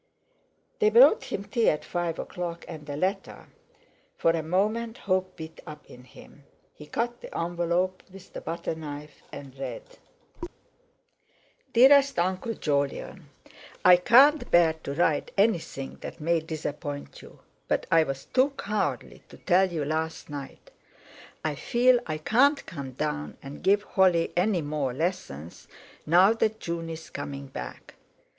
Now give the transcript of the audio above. They brought him tea at five o'clock, and a letter. For a moment hope beat up in him. He cut the envelope with the butter knife, and read: "DEAREST UNCLE JOLYON,—I can't bear to write anything that may disappoint you, but I was too cowardly to tell you last night. I feel I can't come down and give Holly any more lessons, now that June is coming back.